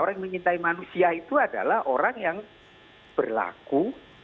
orang yang menyintai manusia itu adalah orang yang berlaku